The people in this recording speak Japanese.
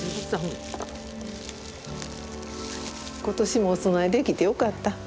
今年もお供えできてよかった。